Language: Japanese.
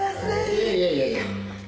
いやいやいやいや。